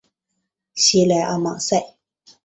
西莱阿芒塞。